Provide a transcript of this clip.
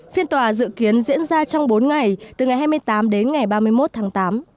phiên tòa dự kiến diễn ra trong bốn ngày từ ngày hai mươi tám đến ngày ba mươi một tháng tám